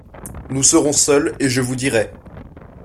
Nous serons seuls, et je vous dirai…